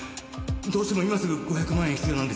どうしても今すぐ５００万円必要なんです。